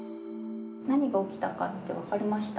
何が起きたかって分かりました？